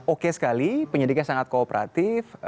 oke sekali penyidiknya sangat kooperatif